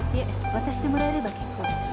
渡してもらえれば結構です。